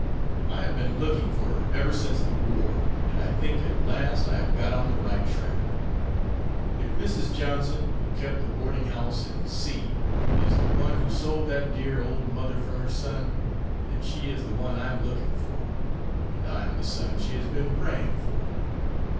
I have been looking for her ever since the war, and I think at last I have got on the right track. If Mrs. Johnson, who kept the boarding house in C , is the one who sold that dear old mother from her son, then she is the one I am looking for, and I am the son she has been praying for."